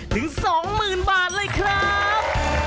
ถึง๒๐๐๐บาทเลยครับ